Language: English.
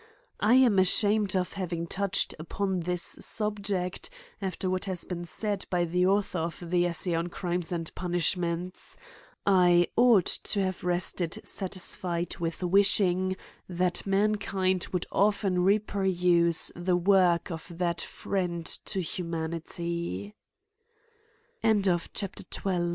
I am ashamed of having touch ed upon this subject, after what has been said by the author of the Esssay on Crimes and Punish ments — 1 ought to have rested satisfied with ^ wishing, that mankind would often reperuse the work of that frie